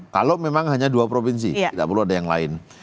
kalau memang hanya dua provinsi tidak perlu ada yang lain